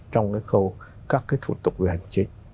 trong cái khâu các cái thủ tục về hành chính